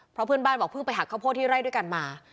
เพราะเพื่อนบ้านบอกเพิ่งไปหักข้าวโพดที่ไร่ด้วยกันมา